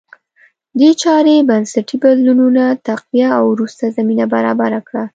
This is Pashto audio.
دې چارې بنسټي بدلونونه تقویه او وروسته زمینه برابره کړه